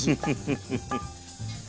フフフフフ。